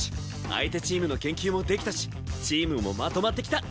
相手チームの研究もできたしチームもまとまってきた！